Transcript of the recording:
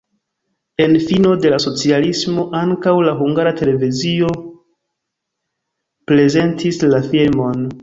En fino de la socialismo ankaŭ la Hungara Televizio prezentis la filmon.